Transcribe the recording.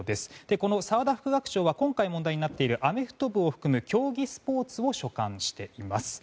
この澤田副学長は今回問題になっているアメフト部を含む競技スポーツを所管しています。